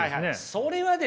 それはですね